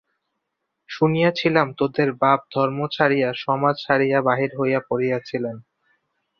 শুনিয়াছিলাম তোদের বাপ ধর্ম ছাড়িয়া, সমাজ ছাড়িয়া বাহির হইয়া পড়িয়াছিলেন।